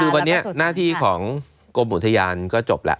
คือวันนี้หน้าที่ของกรมอุทยานก็จบแล้ว